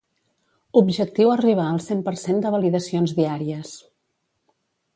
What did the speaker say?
Objectiu arribar al cent per cent de validacions diàries